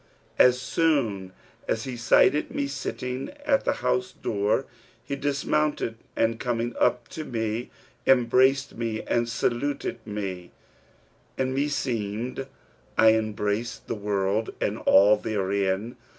As soon as he sighted me sitting at the house door, he dismounted and coming up to me embraced me and saluted me; and meseemed I embraced the world and all therein.